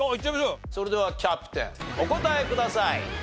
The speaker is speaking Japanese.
それではキャプテンお答えください。